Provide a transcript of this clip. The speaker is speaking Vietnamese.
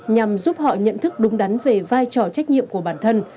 nhằm giúp họ nhận thức đúng đắn về vai trò trách nhiệm của bản thân